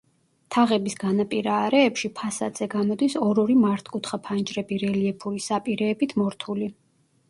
თაღების განაპირა არეებში, ფასადზე გამოდის ორ-ორი მართკუთხა ფანჯრები, რელიეფური საპირეებით მორთული.